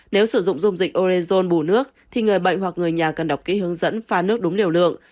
nếu sử dụng dung dịch orezon bù nước thì người bệnh hoặc người nhà cần đọc kỹ hướng dẫn pha nước đúng liều lượng